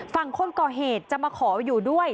ฝั่งคนก่อเหตุจะมาขออยู่ด้วย